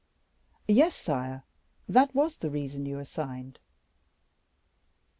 "Yes, sire, that was the reason you assigned."